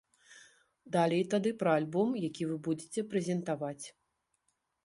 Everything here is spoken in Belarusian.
Далей тады пра альбом, які вы будзеце прэзентаваць.